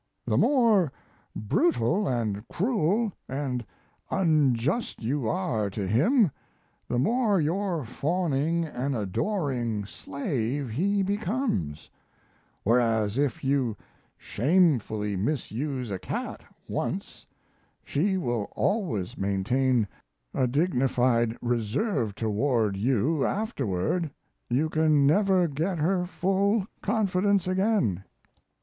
The more brutal and cruel and unjust you are to him the more your fawning and adoring slave he becomes; whereas, if you shamefully misuse a cat once she will always maintain a dignified reserve toward you afterward you can never get her full confidence again.